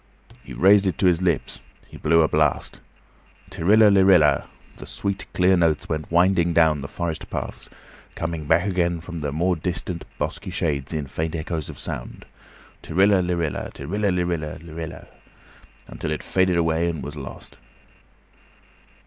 He raised it to his lips; he blew a blast. "Tirila, lirila," the sweet, clear notes went winding down the forest paths, coming back again from the more distant bosky shades in faint echoes of sound, "Tirila, lirila, tirila, lirila," until it faded away and was lost.